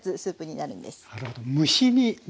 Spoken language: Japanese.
なるほど蒸し煮ですね。